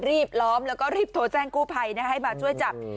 ล้อมแล้วก็รีบโทรแจ้งกู้ภัยให้มาช่วยจับ